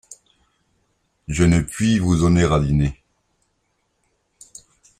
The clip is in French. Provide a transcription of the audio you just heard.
Je ne puis vous donner à dîner.